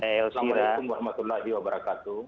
assalamualaikum warahmatullahi wabarakatuh